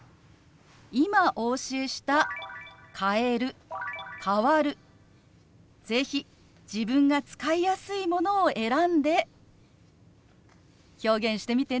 今お教えした「変える」「変わる」是非自分が使いやすいものを選んで表現してみてね。